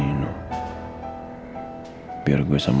mungkin ada baiknya rena bersama nino